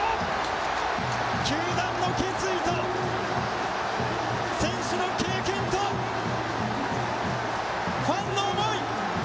球団の決意と選手の経験とファンの思い